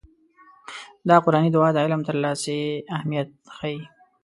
دا قرآني دعا د علم ترلاسي اهميت ښيي.